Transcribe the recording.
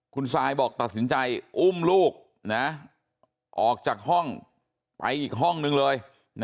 คุณซายบอกตัดสินใจอุ้มลูกออกจากห้องไปอีกห้องนึงเลย